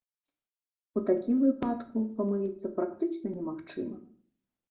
У такім выпадку памыліцца практычна немагчыма.